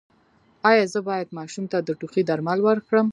ایا زه باید ماشوم ته د ټوخي درمل ورکړم؟